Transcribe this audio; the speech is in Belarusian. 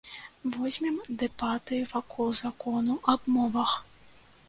Возьмем дэбаты вакол закону аб мовах.